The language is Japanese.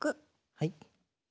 はい。